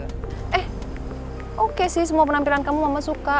eh oke sih semua penampilan kamu mama suka